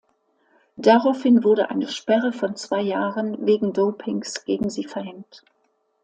Daraufhin wurde eine Sperre von zwei Jahren wegen Dopings gegen sie verhängt.